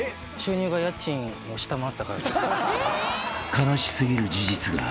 ［悲し過ぎる事実が。